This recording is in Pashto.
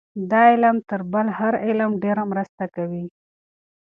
دا علم تر بل هر علم ډېره مرسته کوي.